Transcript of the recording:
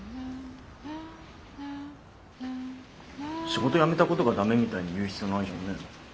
仕事辞めたことが駄目みたいに言う必要ないじゃんね。